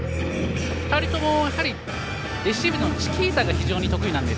２人ともやはりレシーブのチキータが非常に得意なんです。